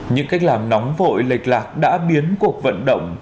những cách làm nóng vội lệch lạc đã biến cuộc vận động